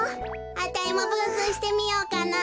あたいもぶんつうしてみようかなぁ。